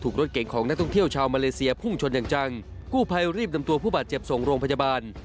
ก็ให้รีบนำตัวผู้บาดเจ็บส่งโรงพยาบาล